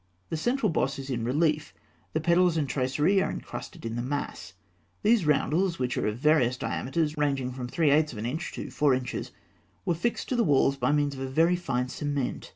The central boss is in relief; the petals and tracery are encrusted in the mass. These roundels, which are of various diameters ranging from three eighths of an inch to four inches, were fixed to the walls by means of a very fine cement.